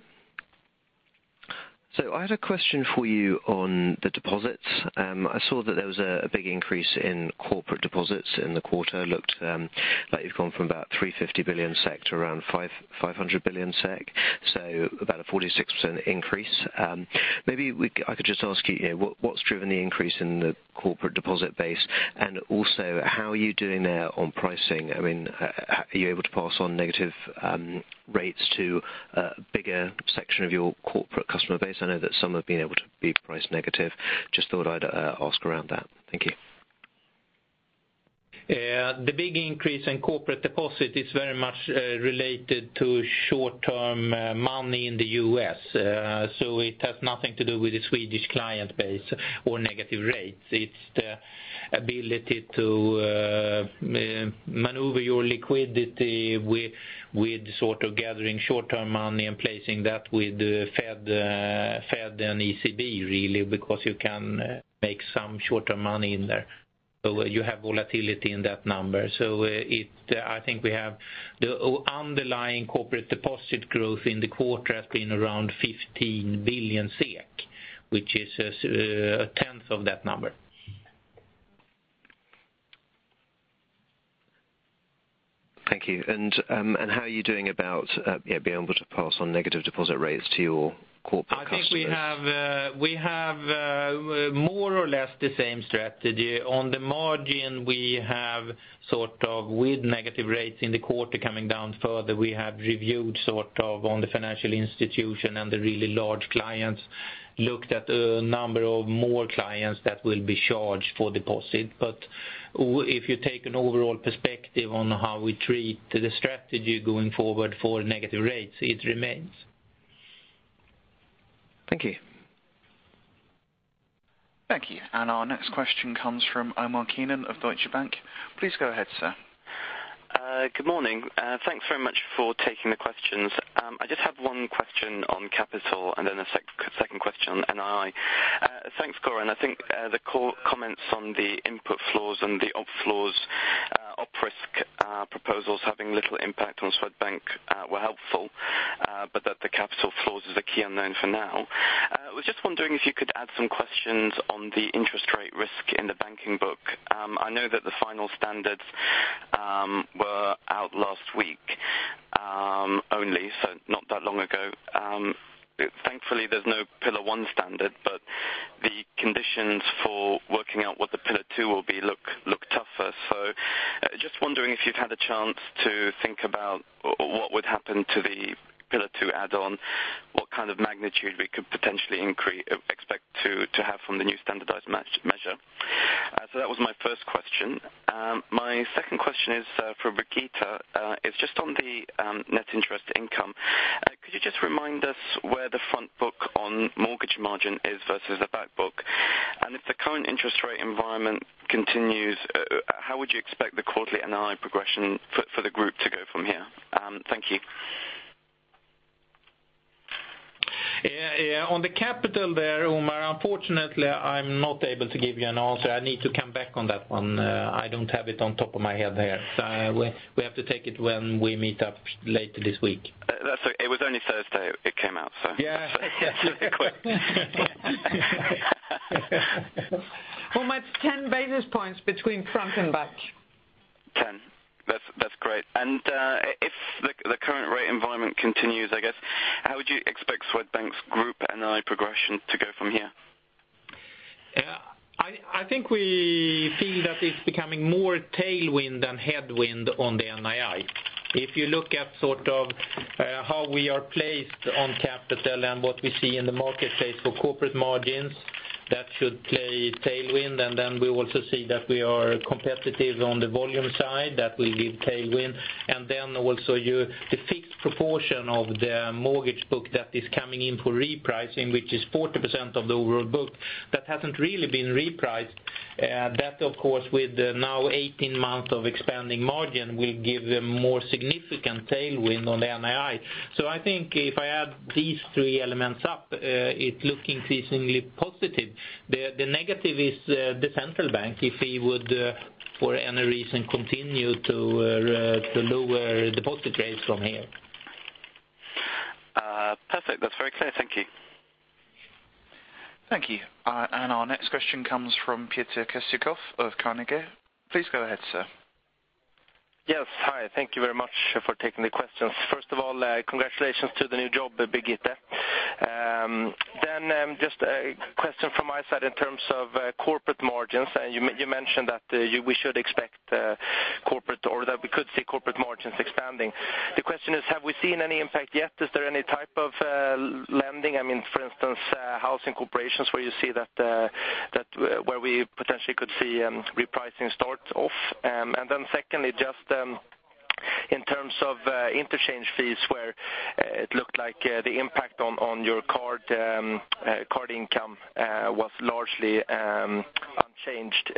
So I had a question for you on the deposits. I saw that there was a big increase in corporate deposits in the quarter. Looked like you've gone from about 350 billion SEK to around 500 billion SEK, so about a 46% increase. Maybe I could just ask you, what's driven the increase in the corporate deposit base? And also, how are you doing now on pricing? I mean, are you able to pass on negative rates to a bigger section of your corporate customer base? I know that some have been able to be price negative. Just thought I'd ask around that. Thank you. The big increase in corporate deposit is very much related to short-term money in the U.S. So it has nothing to do with the Swedish client base or negative rates. It's the ability to maneuver your liquidity with sort of gathering short-term money and placing that with the Fed, Fed and ECB, really, because you can make some shorter money in there. So you have volatility in that number. So I think we have the underlying corporate deposit growth in the quarter has been around 15 billion SEK, which is a tenth of that number. Thank you. And how are you doing about being able to pass on negative deposit rates to your corporate customers? I think we have, we have, more or less the same strategy. On the margin, we have sort of with negative rates in the quarter coming down further, we have reviewed sort of on the financial institution and the really large clients, looked at a number of more clients that will be charged for deposit. But if you take an overall perspective on how we treat the strategy going forward for negative rates, it remains. Thank you. Thank you. And our next question comes from Omar Keenan of Deutsche Bank. Please go ahead, sir. Good morning. Thanks very much for taking the questions. I just have one question on capital and then a second question on NII. Thanks, Göran. I think the call comments on the input flows and the outflows, op risk proposals having little impact on Swedbank, were helpful, but that the capital flows is a key unknown for now. I was just wondering if you could add some questions on the interest rate risk in the banking book. I know that the final standards were only, so not that long ago. Thankfully, there's no Pillar One standard, but the conditions for working out what the Pillar Two will be look tougher. So just wondering if you've had a chance to think about what would happen to the Pillar Two add-on, what kind of magnitude we could potentially increase, expect to, to have from the new standardized measure? So that was my first question. My second question is, for Birgitte. It's just on the net interest income. Could you just remind us where the front book on mortgage margin is versus the back book? And if the current interest rate environment continues, how would you expect the quarterly NII progression for, for the group to go from here? Thank you. Yeah, yeah, on the capital there, Omar, unfortunately, I'm not able to give you an answer. I need to come back on that one. I don't have it on top of my head there. We have to take it when we meet up later this week. That's okay. It was only Thursday it came out, so. Yeah.... it's quick. Well, it's 10 basis points between front and back. Ten. That's great. And if the current rate environment continues, I guess, how would you expect Swedbank's group NII progression to go from here? Yeah, I think we feel that it's becoming more tailwind than headwind on the NII. If you look at sort of how we are placed on capital and what we see in the marketplace for corporate margins, that should play tailwind. And then we also see that we are competitive on the volume side, that will give tailwind. And then also you, the fixed proportion of the mortgage book that is coming in for repricing, which is 40% of the overall book, that hasn't really been repriced. That, of course, with the now 18 months of expanding margin, will give a more significant tailwind on the NII. So I think if I add these three elements up, it looks increasingly positive. The negative is the central bank, if we would for any reason continue to lower deposit rates from here. Perfect. That's very clear. Thank you. Thank you. Our next question comes from Peter Kessiakoff of Carnegie. Please go ahead, sir. Yes. Hi, thank you very much for taking the questions. First of all, congratulations to the new job, Birgitte. Then, just a question from my side in terms of corporate margins. You mentioned that we should expect corporate or that we could see corporate margins expanding. The question is, have we seen any impact yet? Is there any type of lending? I mean, for instance, housing corporations, where you see that where we potentially could see repricing start off. And then secondly, just in terms of interchange fees, where it looked like the impact on your card card income was largely unchanged.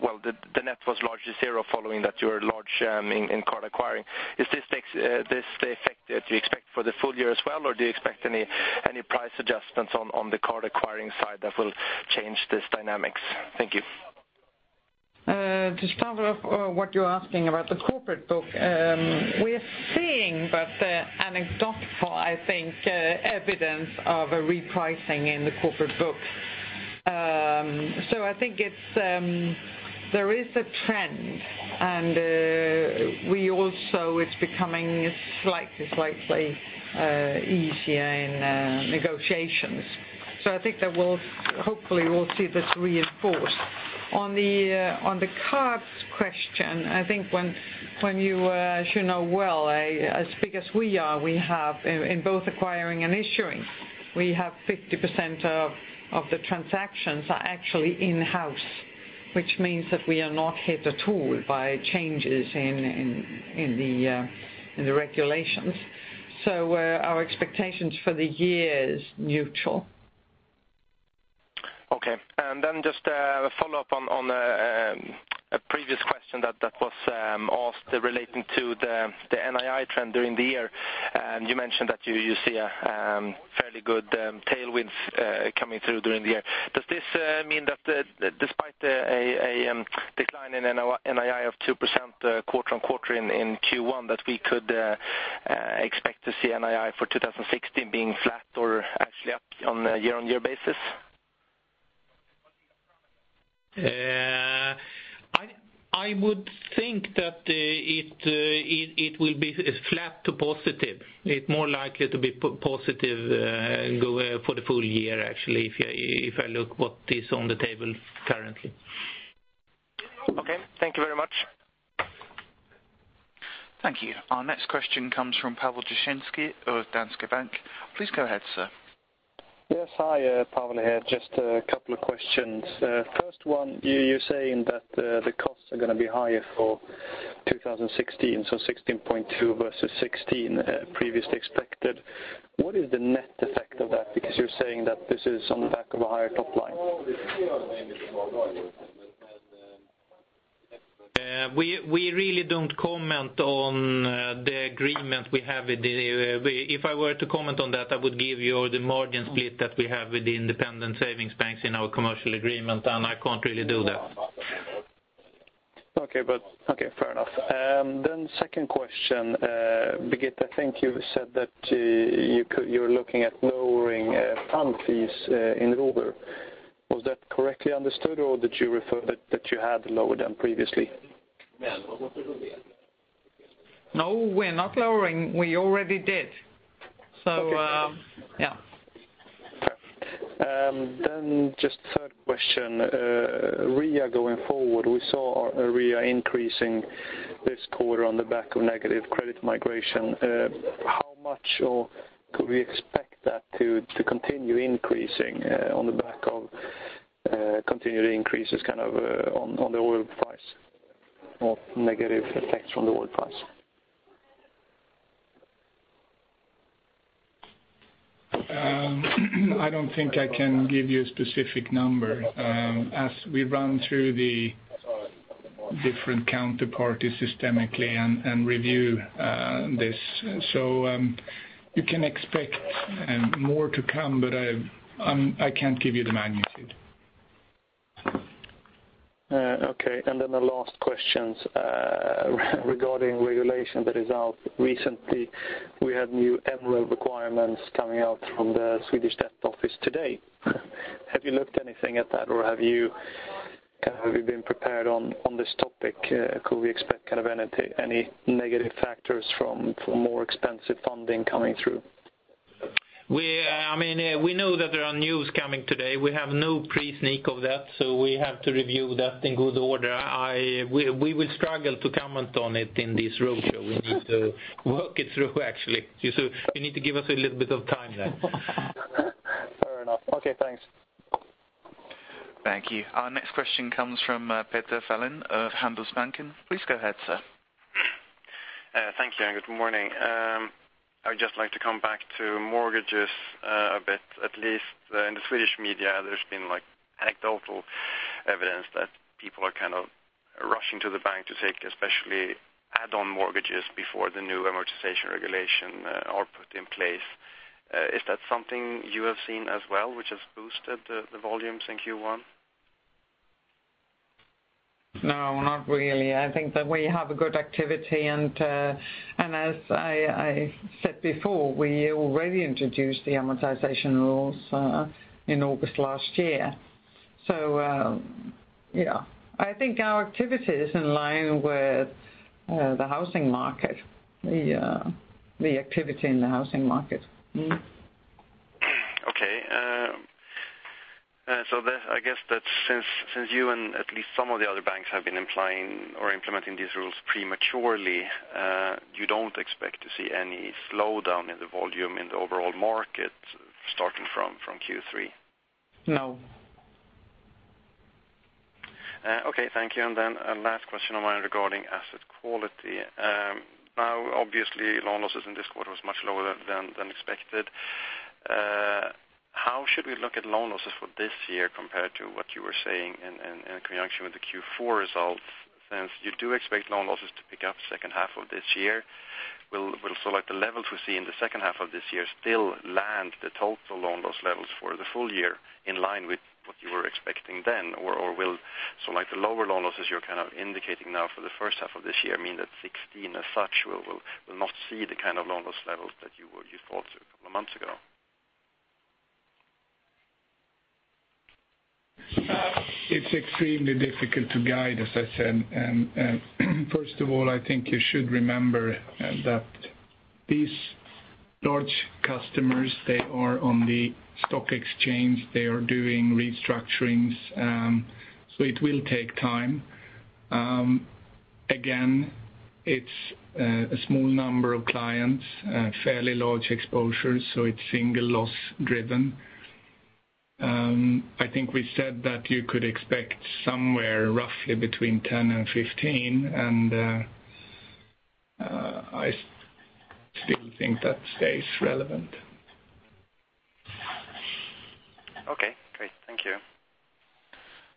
Well, the net was largely zero following that you were large in card acquiring. Is this the effect that you expect for the full year as well, or do you expect any price adjustments on the card acquiring side that will change this dynamics? Thank you. To start off, what you're asking about the corporate book, we're seeing, but, anecdotal, I think, evidence of a repricing in the corporate book. So I think it's, there is a trend, and, we also it's becoming slightly, slightly, easier in, negotiations. So I think that we'll- hopefully we'll see this reinforced. On the, on the card question, I think when, when you, as you know well, as big as we are, we have in, in both acquiring and issuing, we have 50% of, of the transactions are actually in-house, which means that we are not hit at all by changes in, in, in the, in the regulations. So, our expectations for the year is neutral. Okay. And then just a follow-up on a previous question that was asked relating to the NII trend during the year. And you mentioned that you see a fairly good tailwind coming through during the year. Does this mean that despite a decline in NII of 2%, quarter-on-quarter in Q1, that we could expect to see NII for 2016 being flat or actually up on a year-on-year basis? I would think that it will be flat to positive. It's more likely to be positive for the full year, actually, if I look what is on the table currently. Okay. Thank you very much. Thank you. Our next question comes from Pawel Duszynski of Danske Bank. Please go ahead, sir. Yes. Hi, Pawel here. Just a couple of questions. First one, you, you're saying that, the costs are going to be higher for 2016, so 16.2 versus 16, previously expected. What is the net effect of that? Because you're saying that this is on the back of a higher top line. We really don't comment on the agreement we have with the. If I were to comment on that, I would give you the margin split that we have with the independent savings banks in our commercial agreement, and I can't really do that. Okay, okay, fair enough. Then second question, Birgitte, I think you said that you're looking at lowering fund fees in Robur. Was that correctly understood or did you refer that you had lower than previously? No, we're not lowering. We already did. So, yeah. Okay. Then just third question. REA going forward, we saw our REA increasing this quarter on the back of negative credit migration. How much or could we expect that to continue increasing on the back of continued increases kind of on the oil price, or negative effects from the oil price? I don't think I can give you a specific number. As we run through the different counterparties systemically and review this. So, you can expect more to come, but I, I can't give you the magnitude. Okay. And then the last questions regarding regulation that is out recently, we had new MREL requirements coming out from the Swedish National Debt Office today. Have you looked anything at that, or have you, kind of, have you been prepared on this topic? Could we expect kind of any negative factors from more expensive funding coming through? We, I mean, we know that there are news coming today. We have no pre-sneak of that, so we have to review that in good order. We will struggle to comment on it in this roadshow. We need to work it through actually. So you need to give us a little bit of timeline. Fair enough. Okay, thanks. Thank you. Our next question comes from Peter Wallin of Handelsbanken. Please go ahead, sir. Thank you, and good morning. I would just like to come back to mortgages a bit. At least in the Swedish media, there's been, like, anecdotal evidence that people are kind of rushing to the bank to take, especially add-on mortgages before the new amortization regulation are put in place. Is that something you have seen as well, which has boosted the volumes in Q1? No, not really. I think that we have a good activity, and as I said before, we already introduced the amortization rules in August last year. So, yeah. I think our activity is in line with the housing market, the activity in the housing market. Mm-hmm. Okay. So I guess that since you and at least some of the other banks have been implying or implementing these rules prematurely, you don't expect to see any slowdown in the volume in the overall market starting from Q3? No. Okay. Thank you. Then a last question of mine regarding asset quality. Now, obviously, loan losses in this quarter was much lower than expected. How should we look at loan losses for this year compared to what you were saying in conjunction with the Q4 results? Since you do expect loan losses to pick up second half of this year, will so, like, the levels we see in the second half of this year still land the total loan loss levels for the full year in line with what you were expecting then? Or will, so, like, the lower loan losses you're kind of indicating now for the first half of this year mean that 2016 as such will not see the kind of loan loss levels that you thought a couple of months ago? It's extremely difficult to guide, as I said. First of all, I think you should remember that these large customers, they are on the stock exchange. They are doing restructurings, so it will take time. Again, it's a small number of clients, fairly large exposure, so it's single loss-driven. I think we said that you could expect somewhere roughly between 10 and 15, and I still think that stays relevant. Okay, great. Thank you.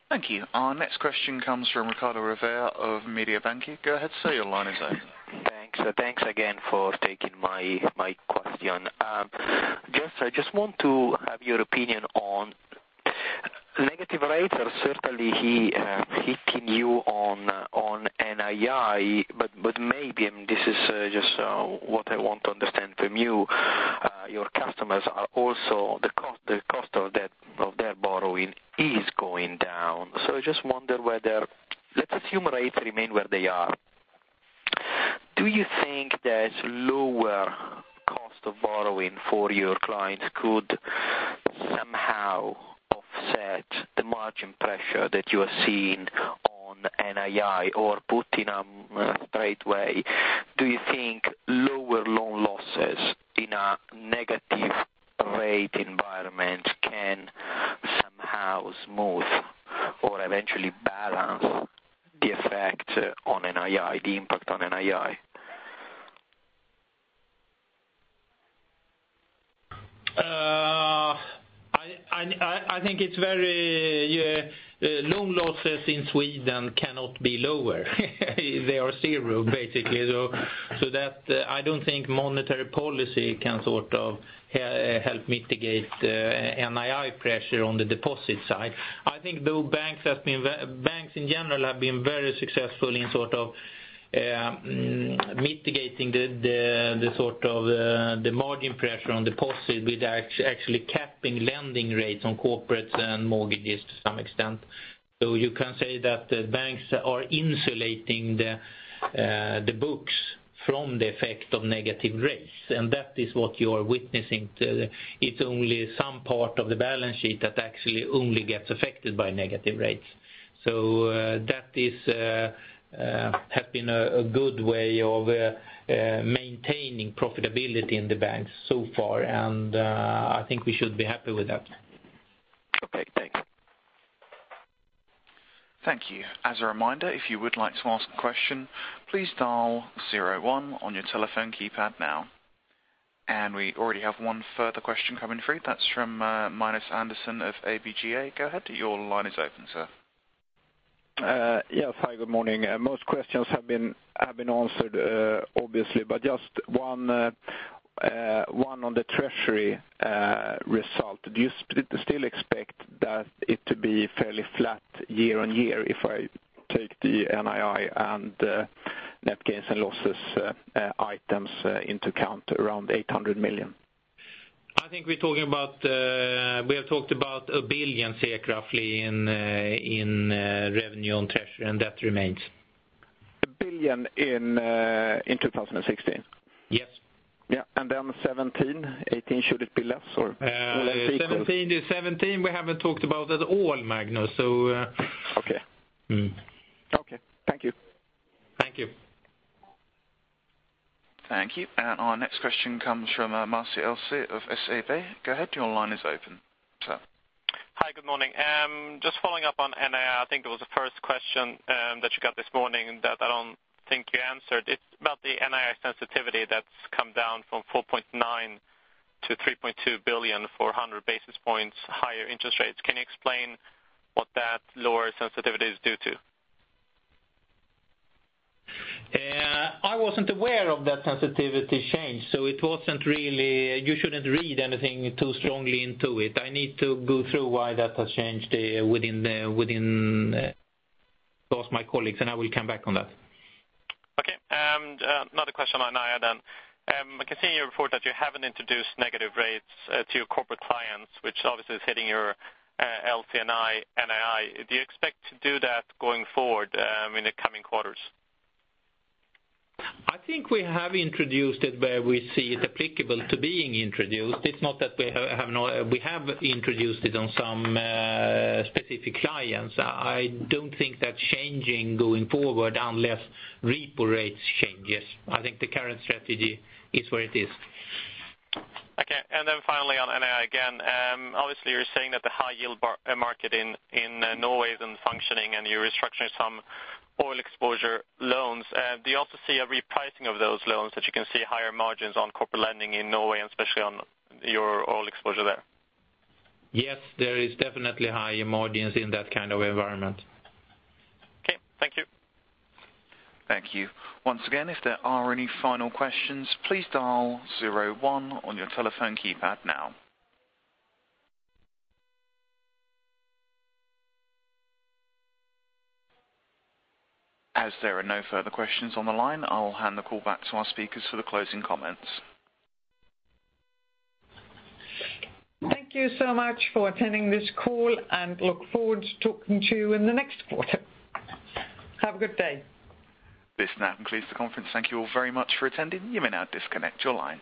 Thank you. Our next question comes from Riccardo Rovere of Mediobanca. Go ahead, sir, your line is open. Thanks. So thanks again for taking my, my question. Just, I just want to have your opinion on negative rates are certainly hitting you on, on NII, but, but maybe, and this is just what I want to understand from you, your customers are also, the cost, the cost of that, of their borrowing is going down. So I just wonder whether... Let's assume rates remain where they are, do you think that lower cost of borrowing for your clients could somehow offset the margin pressure that you are seeing on NII? Or put in a straight way, do you think lower loan losses in a negative rate environment can somehow smooth or eventually balance the effect on NII, the impact on NII? I think it's very, loan losses in Sweden cannot be lower. They are zero, basically. I don't think monetary policy can sort of help mitigate, NII pressure on the deposit side. I think though banks has been banks in general have been very successful in sort of mitigating the sort of the margin pressure on deposits with actually, actually capping lending rates on corporates and mortgages to some extent. So you can say that the banks are insulating the books from the effect of negative rates, and that is what you are witnessing to. It's only some part of the balance sheet that actually only gets affected by negative rates. So, that has been a good way of maintaining profitability in the banks so far, and I think we should be happy with that. Okay, thanks. Thank you. As a reminder, if you would like to ask a question, please dial zero one on your telephone keypad now. And we already have one further question coming through. That's from Magnus Andersson of ABG. Go ahead, your line is open, sir. Yeah, hi, good morning. Most questions have been answered, obviously, but just one on the treasury result. Do you still expect that it to be fairly flat year on year, if I take the NII and net gains and losses items into account, around 800 million? I think we're talking about. We have talked about 1 billion, roughly, in revenue on treasury, and that remains. 1 billion in 2016? Yes. Yeah. And then 2017, 2018, should it be less, or? 2017, we haven't talked about at all, Magnus, so Okay. Mm-hmm. Okay, thank you. Thank you. Thank you. And our next question comes from Masih Yazdi of SEB. Go ahead, your line is open, sir. Hi, good morning. Just following up on NII. I think it was the first question that you got this morning that I don't think you answered. It's about the NII sensitivity that's come down from 4.9 billion-3.2 billion for 100 basis points higher interest rates. Can you explain what that lower sensitivity is due to? I wasn't aware of that sensitivity change, so it wasn't really. You shouldn't read anything too strongly into it. I need to go through why that has changed, within the... Those are my colleagues, and I will come back on that. Okay, and, another question on NII then. I can see in your report that you haven't introduced negative rates to your corporate clients, which obviously is hitting your LC&I, NII. Do you expect to do that going forward in the coming quarters? I think we have introduced it where we see it applicable to being introduced. It's not that we have no... We have introduced it on some specific clients. I don't think that's changing going forward, unless repo rates changes. I think the current strategy is where it is. Okay. Finally, on NII again. Obviously, you're saying that the high yield bond market in Norway isn't functioning, and you're restructuring some oil exposure loans. Do you also see a repricing of those loans, that you can see higher margins on corporate lending in Norway, and especially on your oil exposure there? Yes, there is definitely higher margins in that kind of environment. Okay, thank you. Thank you. Once again, if there are any final questions, please dial zero-one on your telephone keypad now. As there are no further questions on the line, I'll hand the call back to our speakers for the closing comments. Thank you so much for attending this call, and look forward to talking to you in the next quarter. Have a good day. This now concludes the conference. Thank you all very much for attending. You may now disconnect your line.